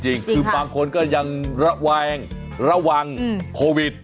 จริงคือบางคนก็ยังระแวงระวังโควิด